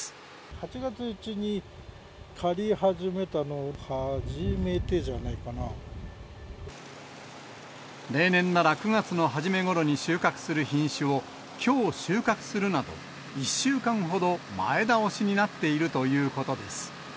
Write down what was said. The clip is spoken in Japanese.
８月のうちに刈り始めたのは、例年なら９月の初めごろに収穫する品種を、きょう収穫するなど、１週間ほど前倒しになっているということです。